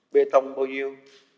bê tông bao nhiêu